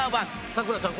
咲楽ちゃん